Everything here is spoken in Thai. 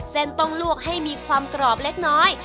เส้นต้องลวกให้มีความกรอบเล็กน้อย